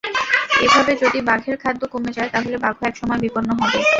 এভাবে যদি বাঘের খাদ্য কমে যায়, তাহলে বাঘও একসময় বিপন্ন হবে।